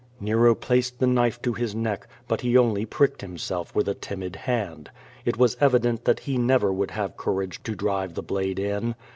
Xero placed the knife to his neck, but he only pricked him self with a timid hand. It was evident that he never would have courage to drive the blade in.